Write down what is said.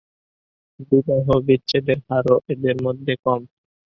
বিবাহ বিচ্ছেদের হারও এদের মধ্যে কম।